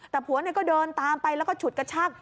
แต่ผัวก็เดินตามไปแล้วก็ฉุดกระชาก